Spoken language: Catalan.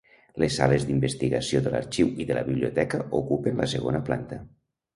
Les sales d'investigació de l'arxiu i de la biblioteca ocupen la segona planta.